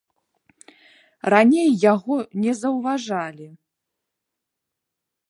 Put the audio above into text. Раней яго не заўважалі.